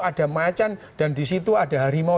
ada macan dan disitu ada harimau